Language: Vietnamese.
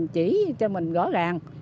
chỉ cho mình rõ ràng